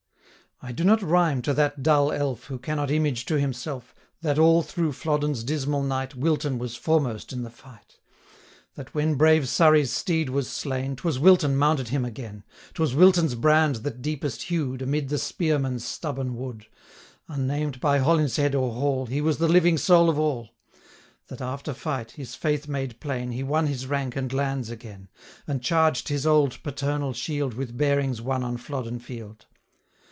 I do not rhyme to that dull elf, Who cannot image to himself, That all through Flodden's dismal night, Wilton was foremost in the fight; 1150 That, when brave Surrey's steed was slain, 'Twas Wilton mounted him again; 'Twas Wilton's brand that deepest hew'd, Amid the spearmen's stubborn wood: Unnamed by Hollinshed or Hall, 1155 He was the living soul of all; That, after fight, his faith made plain, He won his rank and lands again; And charged his old paternal shield With bearings won on Flodden Field.